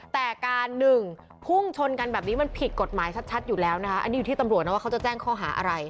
แต่การหนึ่งพุ่งชนกันแบบนี้มันผิดกฎหมายชัดอยู่แล้วนะคะอันนี้อยู่ที่ตำรวจนะว่าเขาจะแจ้งข้อหาอะไร